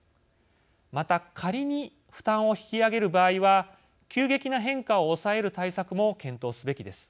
また仮に負担を引き上げる場合は急激な変化を抑える対策も検討すべきです。